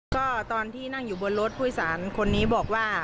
ก็ตอนที่นั่งอยู่บนรถผู้โดยสารคนนี้บอกว่า